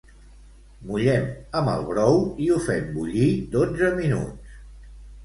Mullem amb el brou i ho fem bullir dotze minuts.